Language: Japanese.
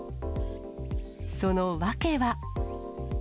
その訳は。